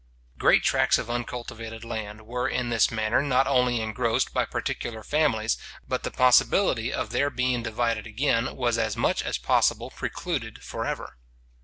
Great tracts of uncultivated land were in this manner not only engrossed by particular families, but the possibility of their being divided again was as much as possible precluded for ever.